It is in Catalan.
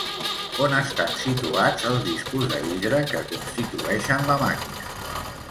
On estan situats els discos de vidre que constitueixen la màquina?